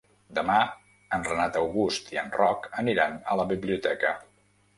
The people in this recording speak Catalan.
Demà en Renat August i en Roc aniran a la biblioteca.